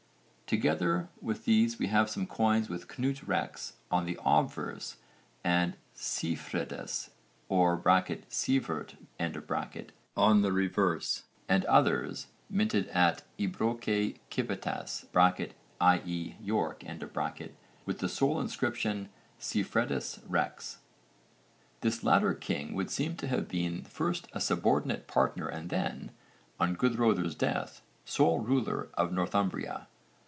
Together with these we have some coins with 'Cnut rex' on the obverse and 'Siefredus' or (Sievert) on the reverse, and others, minted at 'Ebroice civitas' (i.e. York), with the sole inscription 'Siefredus rex.' This latter king would seem to have been first a subordinate partner and then, on Guðröðr's death, sole ruler of Northumbria.